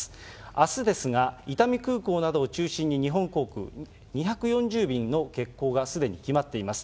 あすですが、伊丹空港などを中心に、日本航空、２４０便の欠航がすでに決まっています。